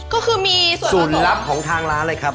ก็คือมีส่วนลับของทางร้านเลยครับ